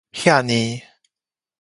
遐爾